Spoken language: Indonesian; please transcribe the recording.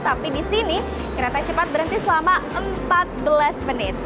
tapi di sini kereta cepat berhenti selama empat belas menit